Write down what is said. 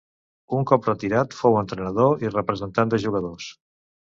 Un cop retirat fou entrenador i representant de jugadors.